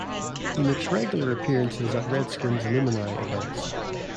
He makes regular appearances at Redskins alumni events.